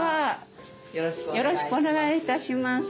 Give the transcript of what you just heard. よろしくお願いします。